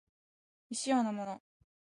未使用のもの